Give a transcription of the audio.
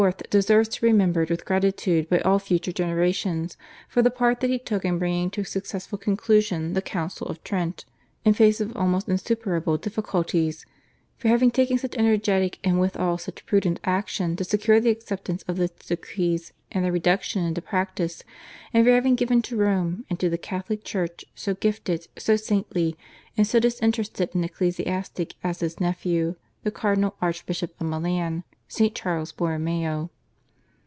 deserves to be remembered with gratitude by all future generations for the part that he took in bringing to a successful conclusion the Council of Trent in face of almost insuperable difficulties, for having taken such energetic and withal such prudent action to secure the acceptance of its decrees and their reduction into practice, and for having given to Rome and to the Catholic Church so gifted, so saintly, and so disinterested an ecclesiastic as his nephew, the Cardinal Archbishop of Milan, St. Charles Borromeo.